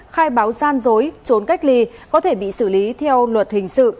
khai báo gian dối trốn cách ly có thể bị xử lý theo luật hình sự